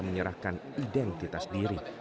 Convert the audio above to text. menyerahkan identitas diri